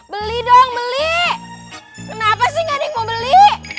beli dong beli kenapa sih nggak ada yang mau beli